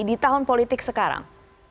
di tahun politik sekarang